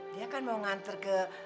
dia kan mau nganter ke